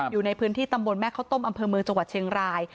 อยู่ในพื้นที่ตำบลแม่ข้าวต้มอำเภอเมืองจังหวัดเชียงราย